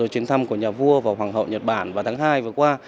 chuyến thăm của nhà vua và hoàng hậu nhật bản vào tháng hai vừa qua